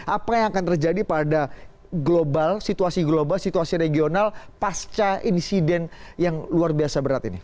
apa yang akan terjadi pada global situasi global situasi regional pasca insiden yang luar biasa berat ini